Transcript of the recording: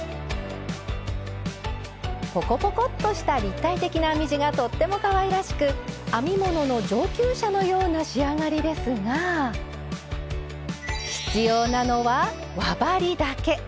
ポコポコッとした立体的な編み地がとってもかわいらしく編み物の上級者のような仕上がりですが必要なのは輪針だけ！